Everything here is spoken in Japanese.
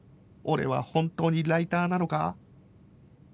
俺は本当にライターなのか？